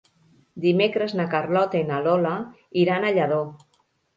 Dimecres na Carlota i na Lola iran a Lladó.